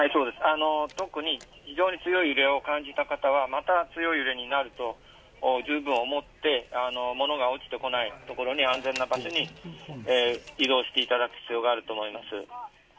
特に、非常に強い揺れを感じた方はまた強い揺れになるとじゅうぶん思って物が落ちてこない所安全な場所に移動していただく必要があると思います。